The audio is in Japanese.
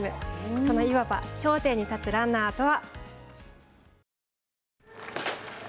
そのいわば頂点に立つランナーとは？